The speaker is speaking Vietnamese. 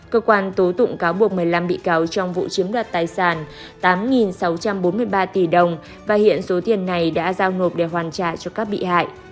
cơ quan tố tụng cáo buộc một mươi năm bị cáo trong vụ chiếm đoạt tài sản tám sáu trăm bốn mươi ba tỷ đồng và hiện số tiền này đã giao nộp để hoàn trả cho các bị hại